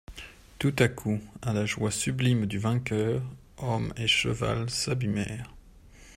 Tout à coup, à la joie sublime du vainqueur, homme et cheval s'abîmèrent.